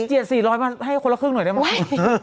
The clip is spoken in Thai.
เจียด๔๐๐มาให้คนละครึ่งหน่อยได้ไหม